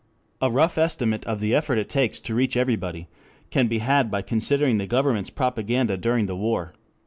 A rough estimate of the effort it takes to reach "everybody" can be had by considering the Government's propaganda during the war.